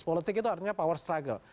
politik itu artinya power struggle